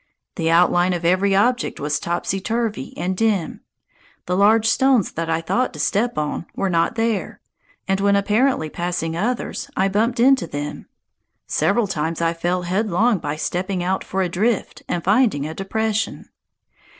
The outline of every object was topsy turvy and dim. The large stones that I thought to step on were not there; and, when apparently passing others, I bumped into them. Several times I fell headlong by stepping out for a drift and finding a depression.